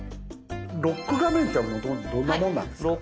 ロック画面ってもともとどんなもんなんですか？